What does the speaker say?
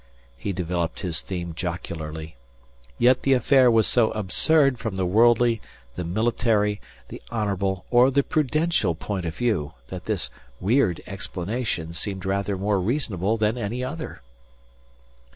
He developed his theme jocularly. Yet the affair was so absurd from the worldly, the military, the honourable, or the prudential point of view, that this weird explanation seemed rather more reasonable than any other.